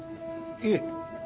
いえ。